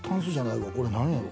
これ何やろ？